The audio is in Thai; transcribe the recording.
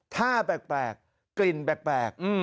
ท่าแปลกกลิ่นแปลก